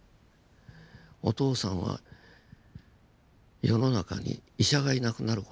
お父さんは世の中に医者がいなくなる事を願ってんだと。